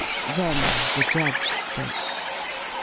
Then the judge spoke.